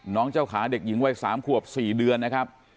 น้องเจ้าขาเด็กหญิงวัย๓ขวบ๔เดือนนะครับ